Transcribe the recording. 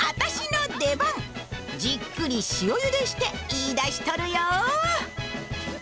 じっくり塩ゆでしていいダシとるよ！